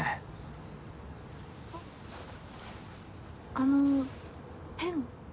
あのペン。